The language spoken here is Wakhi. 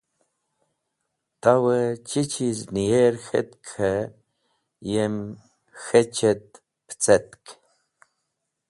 Tawẽ chi chiz nẽyer k̃het k̃hẽ yem k̃hechẽt pẽcẽtk.